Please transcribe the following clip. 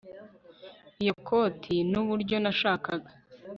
iyo koti nuburyo nashakaga